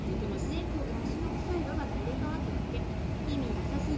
猫が足の臭いロバと入れ替わっただけ意味なさ過ぎ。